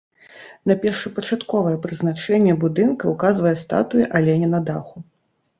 На першапачатковае прызначэнне будынка ўказвае статуя аленя на даху.